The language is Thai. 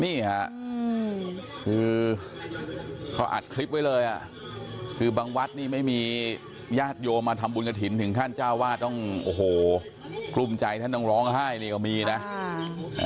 นี่ค่ะคือเขาอัดคลิปไว้เลยอ่ะคือบางวัดนี่ไม่มีญาติโยมมาทำบุญกระถิ่นถึงขั้นเจ้าวาดต้องโอ้โหกลุ้มใจท่านต้องร้องไห้นี่ก็มีนะค่ะ